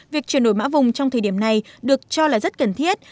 việc chuyển đổi mã vùng trong thời điểm này được cho là rất cần thiết